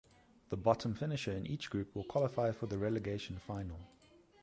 The bottom finisher in each group will qualify for the Relegation Final.